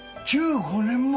１５年も？